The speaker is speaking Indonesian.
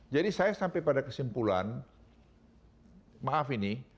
jadi saya sampai pada kesimpulan maaf ini